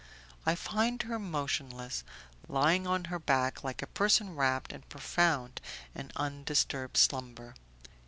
I find her motionless, lying on her back like a person wrapped in profound and undisturbed slumber.